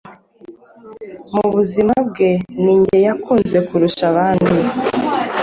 mu buzima bwe ninjye yakunze kurusha abandi